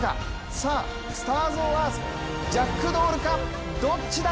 さあスターズオンアースジャックドールかどっちだ！